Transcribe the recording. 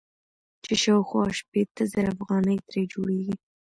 چې شاوخوا شپېته زره افغانۍ ترې جوړيږي.